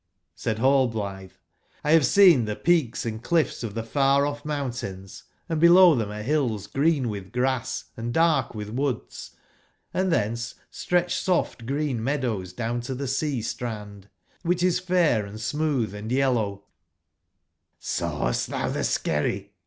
"j^ Said nallblithe: '*1 have seen the peaks and cliffs of the far/off mountains; and below them are hills green with grass and dark with woods, and thence stretch soft green meadows down tothesea/strand, which is fair and smooth, and yellow "jj? ''Sawcst thou tbe skerry?''